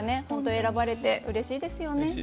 本当選ばれてうれしいですよね。